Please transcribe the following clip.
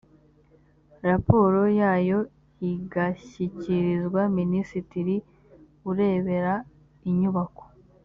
raporo yayo igashyikirizwa minisitiri ureberera inyubako